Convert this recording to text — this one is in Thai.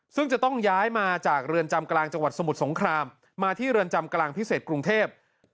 ซึ่งจะต้องย้ายมาจากเรือนจำกลางจังหวัดสมุทรสงครามมาที่เรือนจำกลางพิเศษกรุงเทพ